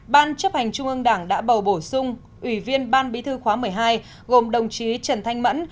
ban chấp hành trung ương đảng đã bầu bổ sung ủy viên ban bí thư khóa một mươi hai gồm đồng chí trần thanh mẫn